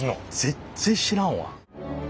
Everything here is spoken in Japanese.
全然知らんわ。